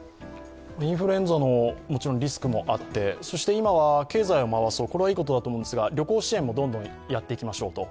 インフルエンザのリスクもあって、今は経済を回そうこれはいいことだと思うんですが、旅行支援もどんどんやっていきましょうと。